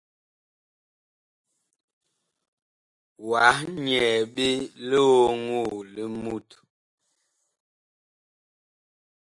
Wah nyɛɛ ɓe lioŋoo li mut.